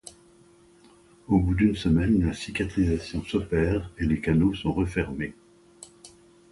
Au bout d'une semaine, la cicatrisation s'opère et les canaux sont refermés.